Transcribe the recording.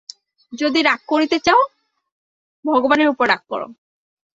যদি রাগ করিতে চাও, ভগবানের উপর রাগ কর।